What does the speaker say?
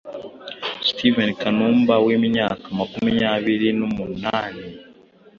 Steven Kanumba W’imyaka makumyabiri numunani